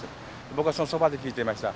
僕はそのそばで聴いていました。